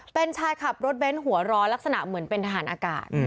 เป็นชายขับรถเบ้นหัวร้อนลักษณะเหมือนเป็นทหารอากาศ